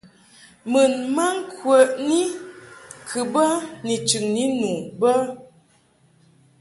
Mun ma ŋkwəni kɨ bə ni chɨŋni nu bə.